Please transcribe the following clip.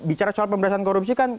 bicara soal pemberantasan korupsi kan